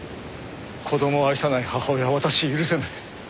子供を愛さない母親を私は許せない。